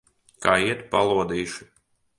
Kā iet, balodīši?